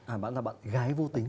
à bạn là bạn gái vô tính